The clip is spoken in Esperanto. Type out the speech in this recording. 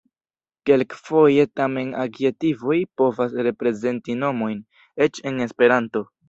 Kelkfoje tamen adjektivoj povas reprezenti nomojn, eĉ en Esperanto.